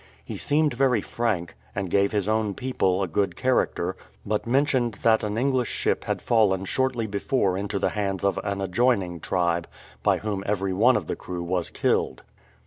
He seemed very frank, and gave his own people a good character, but mentioned that an English ship had fallen shortly before into the hands of an adjoining tribe, by whom every one of the crew was killed.